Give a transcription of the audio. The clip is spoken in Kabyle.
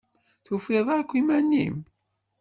Tufiḍ akk iman-im?